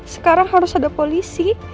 sekarang harus ada polisi